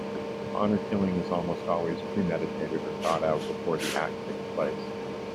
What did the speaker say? Honor killing is almost always premeditated, or thought out before the act takes place.